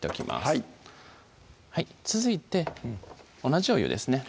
はい続いて同じお湯ですね